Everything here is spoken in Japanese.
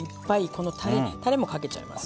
このたれたれもかけちゃいます。